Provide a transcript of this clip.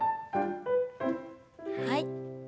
はい。